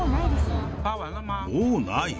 もうない？